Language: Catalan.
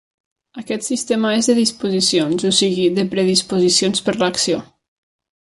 Aquest sistema és de disposicions, o sigui, de predisposicions per a l'acció.